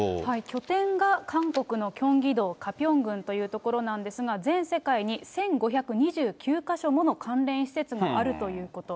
拠点が韓国のキョンギ道カピョン郡という所なんですが、全世界に１５２９か所もの関連施設があるということ。